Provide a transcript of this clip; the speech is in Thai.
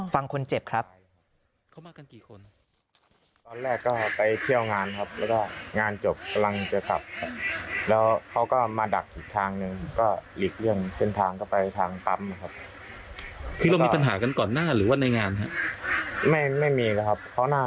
ฟังคนเจ็บครับ